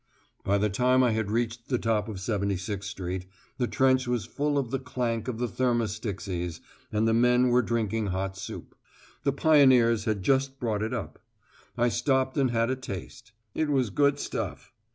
By the time I had reached the top of 76 Street, the trench was full of the clank of the thermos dixies, and the men were drinking hot soup. The pioneers had just brought it up. I stopped and had a taste. It was good stuff.